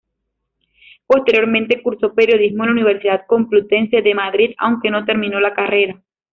Posteriormente cursó Periodismo en la Universidad Complutense de Madrid, aunque no terminó la carrera.